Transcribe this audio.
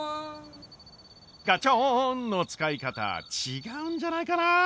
ガチョン！の使い方違うんじゃないかなあ？